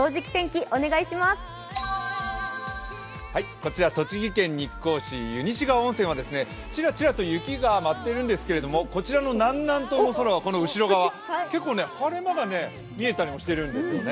こちら栃木県日光市湯西川温泉はちらちらと雪が舞っているんですけども、こちらの南南東の空はこの後ろ側、結構、晴れ間が見えたりしてるんですよね。